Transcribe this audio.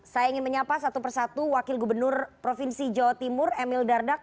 saya ingin menyapa satu persatu wakil gubernur provinsi jawa timur emil dardak